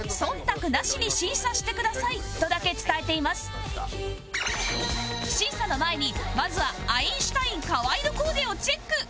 事前に審査の前にまずはアインシュタイン河井のコーデをチェック